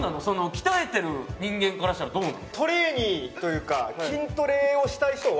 鍛えてる人間からしたらどうなの？